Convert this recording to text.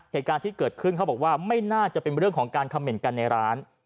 เหตุการณ์ที่เกิดขึ้นเขาบอกว่าไม่น่าจะเป็นเรื่องของการคำเหน่นกันในร้าน